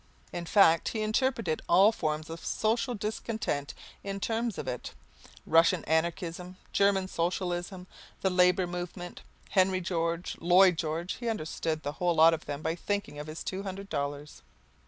In fact, he interpreted all forms of social discontent in terms of it. Russian Anarchism, German Socialism, the Labour Movement, Henry George, Lloyd George, he understood the whole lot of them by thinking of his two hundred dollars.